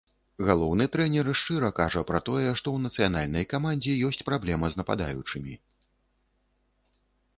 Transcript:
Галоўны трэнер шчыра кажа пра тое, што ў нацыянальнай камандзе ёсць праблема з нападаючымі.